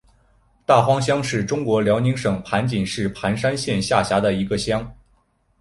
大荒乡是中国辽宁省盘锦市盘山县下辖的一个乡。